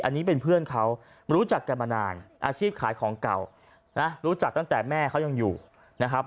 อันนี้เป็นเพื่อนเขารู้จักกันมานานอาชีพขายของเก่านะรู้จักตั้งแต่แม่เขายังอยู่นะครับ